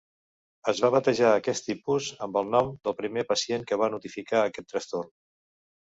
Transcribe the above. Es va batejar aquest tipus amb el nom del primer pacient que va notificar aquest trastorn.